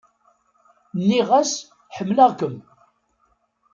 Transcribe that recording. Nniɣ-as: Ḥemmleɣ-kem.